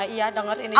iya denger ini juga